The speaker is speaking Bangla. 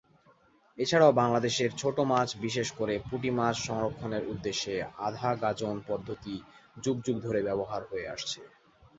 এছাড়াও বাংলাদেশের ছোট মাছ বিশেষ করে পুঁটি মাছ সংরক্ষণের উদ্দেশ্যে আধা-গাজন পদ্ধতি যুগ যুগ ধরে ব্যবহার হয়ে আসছে।